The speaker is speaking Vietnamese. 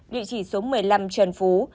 địa chỉ số một mươi năm trần phú